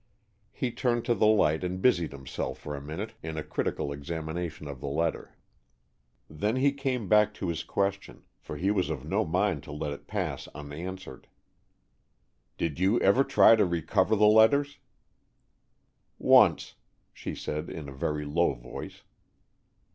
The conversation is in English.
He turned to the light and busied himself for a minute in a critical examination of the letter. Then he came back to his question for he was of no mind to let it pass unanswered. "Did you ever try to recover the letters?" "Once," she said, in a very low voice.